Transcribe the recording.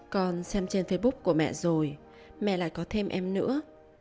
còn xem trên facebook của mẹ rồi mẹ lại có thêm em nữa